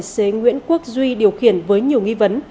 xế nguyễn quốc duy điều khiển với nhiều nghi vấn